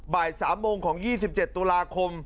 บ่าย๓โมงของ๒๗ตุลาคม